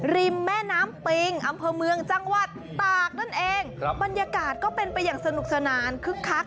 ริมแม่น้ำปิงอำเภอเมืองจังหวัดตากนั่นเองครับบรรยากาศก็เป็นไปอย่างสนุกสนานคึกคัก